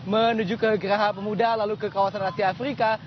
menuju ke geraha pemuda lalu ke kawasan asia afrika